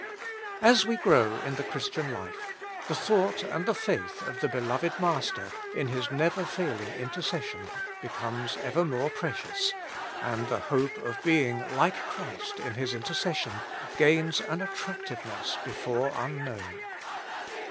As we grow in the Chris tian life, the thought and the faith of the Beloved Master in His never failing intercession becomes ever 9 With Christ in the School of Prayer. more precious, and the hope of being like Christ in His intercession gains an attractiveness before unknown.